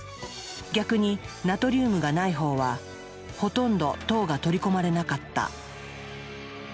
逆にナトリウムがない方はほとんど糖が取り込まれなかった。